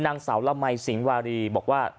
นางสาวละมัยสิงหวารีบอกว่า